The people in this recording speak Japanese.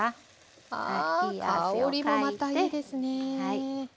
あ香りもまたいいですね。